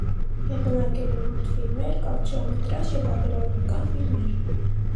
Հեղինակել է մուլտֆիլմեր, կարճամետրաժ և վավերագրական ֆիլմեր։